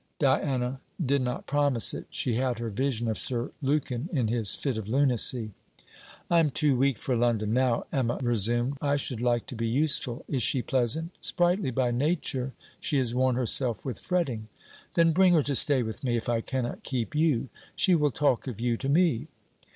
Diana did not promise it. She had her vision of Sir Lukin in his fit of lunacy. 'I am too weak for London now,' Emma resumed. 'I should like to be useful. Is she pleasant?' 'Sprightly by nature. She has worn herself with fretting.' 'Then bring her to stay with me, if I cannot keep you. She will talk of you to me.'